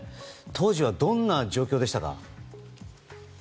当時はどんな状況でしたか？